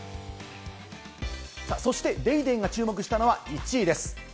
そして『ＤａｙＤａｙ．』が注目したのは１位です。